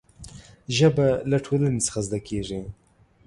ژبه له ټولنې څخه زده کېږي.